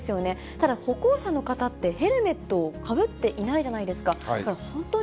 ただ、歩行者の方って、ヘルメットをかぶっていないじゃないですか。